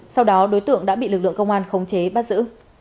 sau đó đối tượng đã bị lực lượng công an khống chế bắt giữ